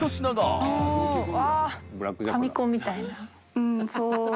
うんそう。